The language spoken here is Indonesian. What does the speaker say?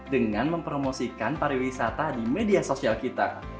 dengan mempromosikan pariwisata di media sosial kita